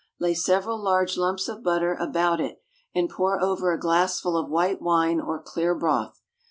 Lay several large lumps of butter about it, and pour over a glassful of white wine or clear broth.